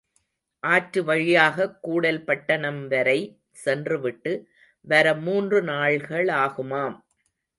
ஆற்று வழியாகக் கூடல் பட்டணம் வரை சென்றுவிட்டு, வர மூன்று நாள்களாகுமாம்.